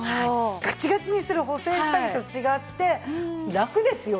ガチガチにする補整下着と違ってラクですよね。